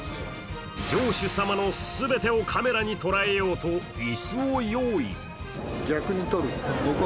城主様の全てをカメラに捉えようと椅子を用意。